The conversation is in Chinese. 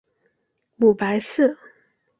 母白氏。